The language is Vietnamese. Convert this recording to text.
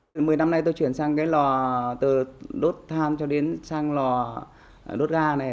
một mươi năm nay tôi chuyển sang cái lò từ đốt than cho đến sang lò đốt ga này